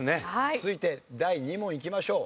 続いて第２問いきましょう。